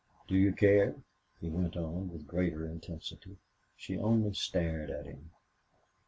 "Do you care?" He went on, with greater intensity. She only stared at him.